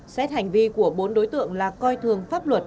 xét hành vi của bốn đối tượng là coi thường pháp luật